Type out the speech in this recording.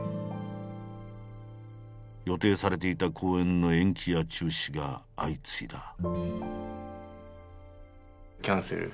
予定されていた公演の延期や中止が相次いだ。